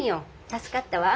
助かったわ。